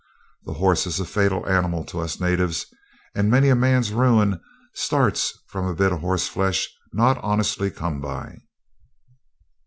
The horse is a fatal animal to us natives, and many a man's ruin starts from a bit of horse flesh not honestly come by.